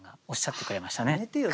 やめてよ。